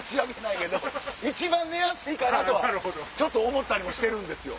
一番寝やすいかなとはちょっと思ったりもしてるんですよ。